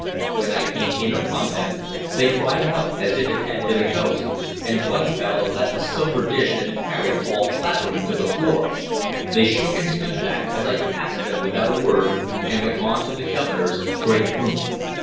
When I came in upon them, they cried out as it had been a ghost, and one fellow let a silver dish that he carried fall clattering to the floor. They shook and stood back, as I passed them without a word, and went on to the Governor's great room.